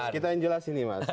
kita yang jelasin nih mas